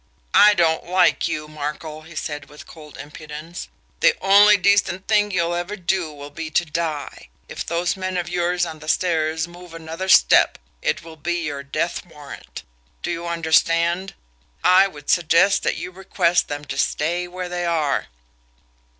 "I don't like you, Markel," he said, with cold impudence. "The only decent thing you'll ever do will be to die and if those men of yours on the stairs move another step it will be your death warrant. Do you understand? I would suggest that you request them to stay where they are."